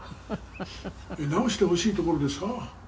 「直してほしいところですか？」